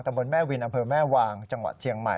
บนแม่วินอำเภอแม่วางจังหวัดเชียงใหม่